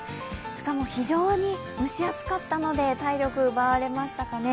しかも非常に蒸し暑かったので体力奪われましたかね。